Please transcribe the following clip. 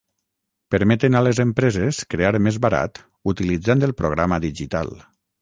Permeten a les empreses crear més barat utilitzant el programa digital.